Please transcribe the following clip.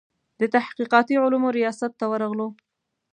د تحقیقاتي علومو ریاست ته ورغلو.